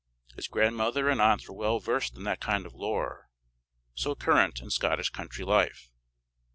His grandmother and aunts were well versed in that kind of lore, so current in Scottish country life.